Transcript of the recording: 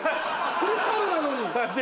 「クリスタル」なのに。